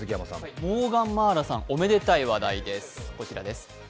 モーガン茉愛羅さん、おめでたい話題です。